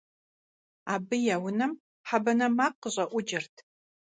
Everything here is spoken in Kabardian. Абы я унэм хьэ банэ макъ къыщӀэӀукӀырт.